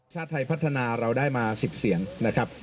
ชาติไทยพัฒนาเราได้มา๑๐เสียงนะครับ